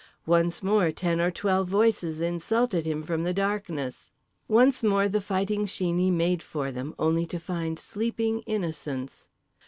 Once more ten or twelve voices insulted him from the darkness. Once more The Fighting Sheeney made for them, only to find sleeping innocents.